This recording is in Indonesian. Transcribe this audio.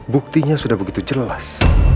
buktinya sudah begitu jelas